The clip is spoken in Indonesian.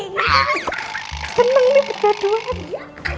kenapa ini kejaduan